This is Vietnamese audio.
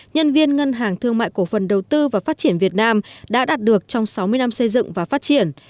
nhân viên ngân hàng thương mại cổ phần đầu tư và phát triển việt nam đã đạt được trong sáu mươi năm xây dựng và phát triển